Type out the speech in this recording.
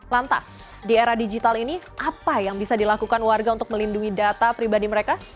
lantas di era digital ini apa yang bisa dilakukan warga untuk melindungi data pribadi mereka